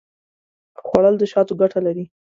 خوړل د شاتو ګټه لري